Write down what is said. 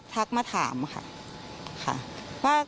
ทักมาถามค่ะ